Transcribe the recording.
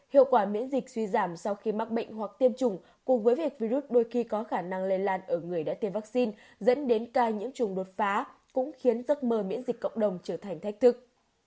hiệu quả miễn dịch suy giảm sau khi mắc bệnh hoặc tiêm chủng cùng với việc virus đôi khi có khả năng lây lan ở người đã tiêm vaccine dẫn đến ca nhiễm trùng đột phá cũng khiến giấc mơ miễn dịch cộng đồng trở thành thách thức